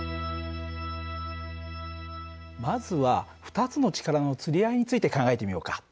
まずは２つの力のつり合いについて考えてみようか。